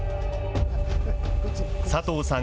佐藤さん